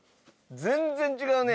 全然違うね。